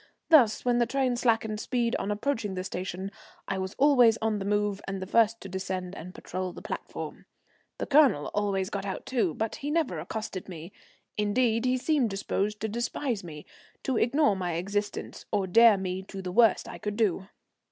Thus, when the train slackened speed on approaching a station, I was always on the move and the first to descend and patrol the platform. The Colonel always got out too, but he never accosted me; indeed, he seemed disposed to despise me, to ignore my existence, or dare me to the worst I could do.